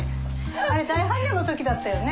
あれ大般若の時だったよね。